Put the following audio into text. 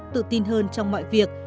tự tin hơn trong mọi việc